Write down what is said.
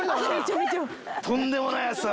とんでもない暑さだ